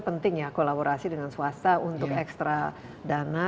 penting ya kolaborasi dengan swasta untuk ekstra dana